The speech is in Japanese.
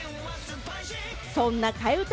そんな替え歌